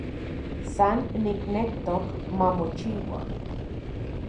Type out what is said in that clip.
San niknektok mamochiua